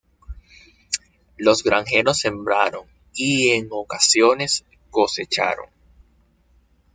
Los granjeros sembraron y, en ocasiones, cosecharon...